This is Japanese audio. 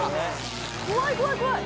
怖い怖い怖い！